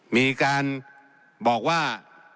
มีการบอกว่า